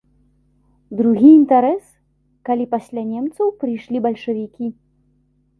Другі інтарэс, калі пасля немцаў прыйшлі бальшавікі.